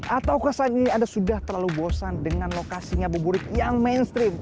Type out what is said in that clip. atau kesan ini anda sudah terlalu bosan dengan lokasi ngabuburit yang mainstream